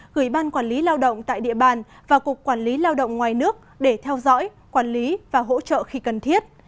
gửi ban quản lý lao động tại địa bàn và cục quản lý lao động ngoài nước để theo dõi quản lý và hỗ trợ khi cần thiết